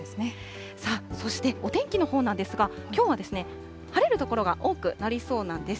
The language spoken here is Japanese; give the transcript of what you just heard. さあ、そしてお天気のほうなんですが、きょうは晴れる所が多くなりそうなんです。